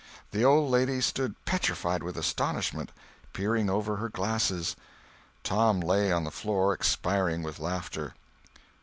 The old lady stood petrified with astonishment, peering over her glasses; Tom lay on the floor expiring with laughter.